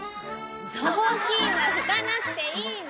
ぞうきんはふかなくていいの！